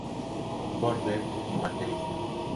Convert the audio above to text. Borden como baterista.